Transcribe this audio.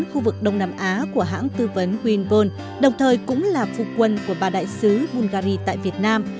sự án khu vực đông nam á của hãng tư vấn huynh vôn đồng thời cũng là phụ quân của ba đại sứ bungary tại việt nam